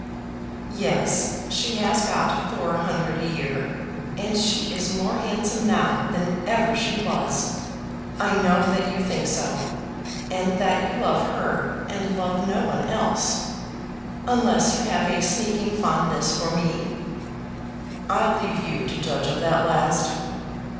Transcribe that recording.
"Yes; she has got four hundred a year, and she is more handsome now than ever she was. I know that you think so; and that you love her and love no one else unless you have a sneaking fondness for me." "I'll leave you to judge of that last."